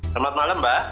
selamat malam mbak